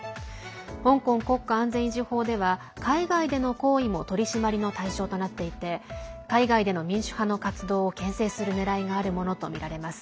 香港国家安全維持法では海外での行為も取り締まりの対象となっていて海外での民主派の活動をけん制するねらいがあるものとみられます。